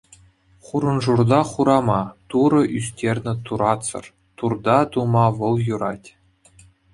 Хурӑншурта хурама —турӑ ӳстернӗ туратсӑр, турта тума вӑл юрать.